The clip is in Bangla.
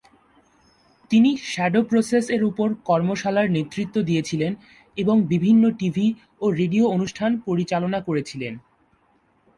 তিনি "শ্যাডো প্রসেস" এর উপর কর্মশালার নেতৃত্ব দিয়েছিলেন এবং বিভিন্ন টিভি ও রেডিও অনুষ্ঠান পরিচালনা করেছিলেন।